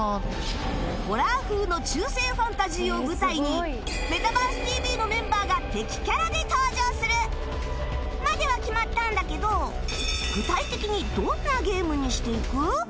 ホラー風の中世ファンタジーを舞台に『メタバース ＴＶ！！』のメンバーが敵キャラで登場するまでは決まったんだけど具体的にどんなゲームにしていく？